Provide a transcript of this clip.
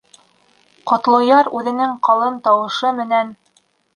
Ҡотлояр үҙенең ҡалын тауышы менән: